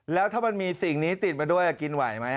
แล้วถ้ามันมีสิ่งนี้ติดมาด้วยกินไหวไหม